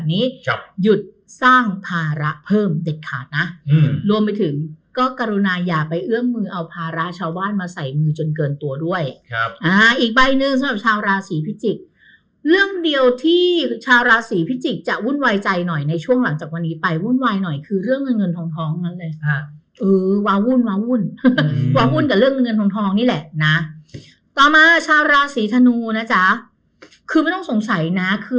มีจนเกินตัวด้วยครับอ่าอีกใบหนึ่งสำหรับชาวราศีพิจิกเรื่องเดียวที่ชาวราศีพิจิกจะวุ่นวายใจหน่อยในช่วงหลังจากวันนี้ไปวุ่นวายหน่อยคือเรื่องเงินเงินทองทองนั้นเลยครับอือวาวุ่นวาวุ่นวาวุ่นกับเรื่องเงินเงินทองทองนี่แหละน่ะต่อมาชาวราศีธนูนะจ๊ะคือไม่ต้องสงสัยน่ะคื